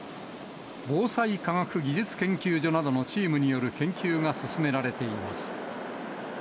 防災科学技術研究所などのチームによる研究が進められています。